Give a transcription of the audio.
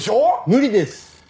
無理です！